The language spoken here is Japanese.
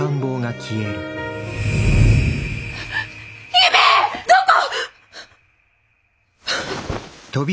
姫どこ！